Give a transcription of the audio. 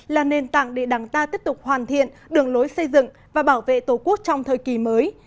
là nền tảng để đảng ta tiếp tục hoàn thiện đường lối xây dựng và bảo vệ tổ quốc trong thời kỳ mới